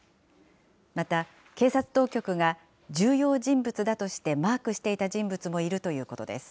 また、警察当局が重要人物だとしてマークしていた人物もいるということです。